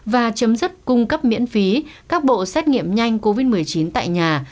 và chấm dứt cung cấp miễn phí các bộ xét nghiệm nhanh covid một mươi chín tại nhà